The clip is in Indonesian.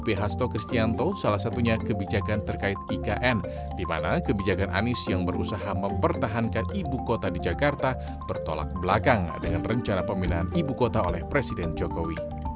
bp hasto kristianto salah satunya kebijakan terkait ikn di mana kebijakan anies yang berusaha mempertahankan ibu kota di jakarta bertolak belakang dengan rencana pemindahan ibu kota oleh presiden jokowi